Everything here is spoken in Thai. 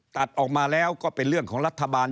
ตัดออกมาแล้วก็เป็นเรื่องของรัฐบาล